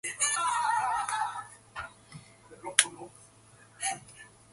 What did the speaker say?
Limpsfield Chart has a golf course and cricket club.